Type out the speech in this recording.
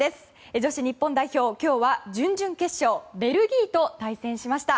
女子日本代表、今日は準々決勝ベルギーと対戦しました。